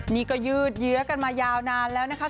นี่ก็ยืดเยื้อกันมายาวนานแล้วนะคะ